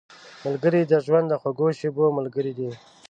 ملګری د ژوند د خوږو شېبو ملګری دی